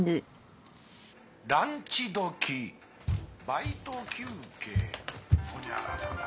ランチ時バイト休憩ほにゃららら。